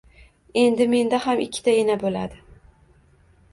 Endi menda ham ikkita ena bo`ladi